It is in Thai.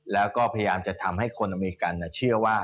แล้วก็พยายามจะทำให้คนอเมริกันเชื่อว่า